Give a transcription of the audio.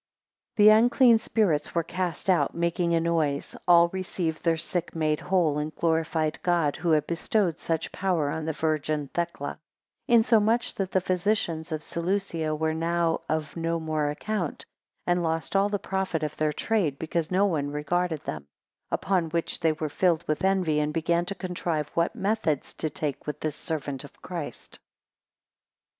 17 The unclean spirits were cast out, making a noise; all received their sick made whole, and glorified God, who had bestowed such power on the virgin Thecla; 18 Insomuch that the physicians of Seleucia were now of no more account, and lost all the profit of their trade, because no one regarded them; upon which they were filled with envy, and began to contrive what methods to take with this servant of Christ.